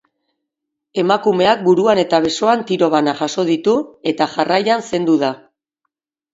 Emakumeak buruan eta besoan tiro bana jaso ditu, eta jarraian zendu da.